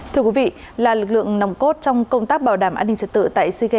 thưa quý vị là lực lượng nồng cốt trong công tác bảo đảm an ninh trật tự tại sigem ba mươi một tổ chức tại hà nam